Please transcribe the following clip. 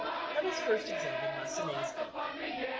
Let us first examine Massenet's book.